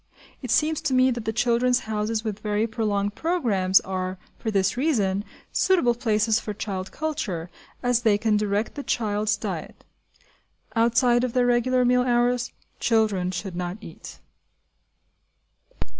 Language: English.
It seems to me that the "Children's Houses" with very prolonged programmes are, for this reason, suitable places for child culture, as they can direct the child's diet. Outside of their regular meal hours, children should not eat.